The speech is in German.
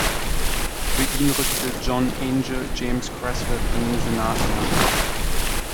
Für ihn rückte John Angel James Creswell in den Senat nach.